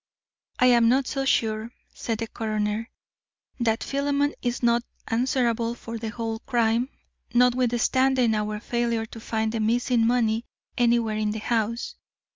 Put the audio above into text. "I am not so sure," said the coroner, "that Philemon is not answerable for the whole crime, notwithstanding our failure to find the missing money anywhere in the house.